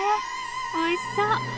おいしそう！